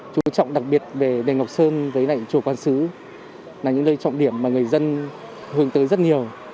chú trọng đặc biệt về đền ngọc sơn với lại chùa quán sứ là những nơi trọng điểm mà người dân hướng tới rất nhiều